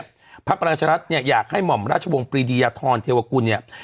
พักประชารัฐเนี่ยอยากให้หม่อมราชวงศ์ปรีดียทรเทวกุลเนี่ย